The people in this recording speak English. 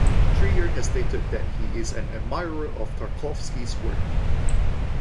Trier has stated that he is an admirer of Tarkovsky's work.